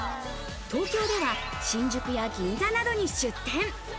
東京では新宿や銀座などに出店。